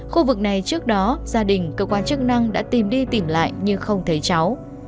khu vực này trước đó gia đình cơ quan chức năng đã tìm đi tỉnh lại nhưng không thấy cháu